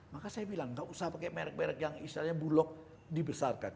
maka saya bilang nggak usah pakai merek merek yang istilahnya bulog dibesarkan